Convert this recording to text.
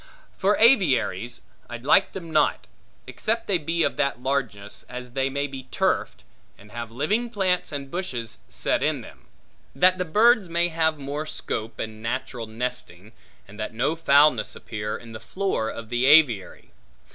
For aviaries, I like them not, except they be of that largeness as they may be turfed, and have living plants and bushes set in them; that the birds may have more scope, and natural nesting, and that no foulness appear in the floor of the aviary.